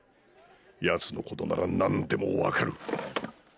ヤツのことなら何でも分かる。